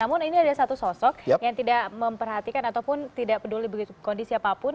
namun ini ada satu sosok yang tidak memperhatikan ataupun tidak peduli begitu kondisi apapun